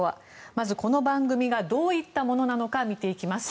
まずこの番組がどういったものなのか見ていきます。